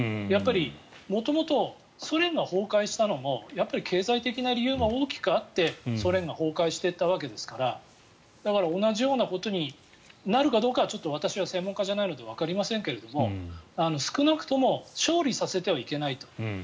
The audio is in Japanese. やっぱり元々、ソ連が崩壊したのもやっぱり経済的な理由も大きくてソ連が崩壊していったわけですからだから同じようなことになるかどうかは私は専門家じゃないのでわかりませんが少なくとも勝利させてはいけないと。